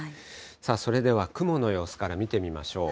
さあ、それでは雲の様子から見てみましょう。